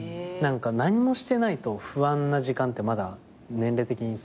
何もしてないと不安な時間ってまだ年齢的にすごいあって。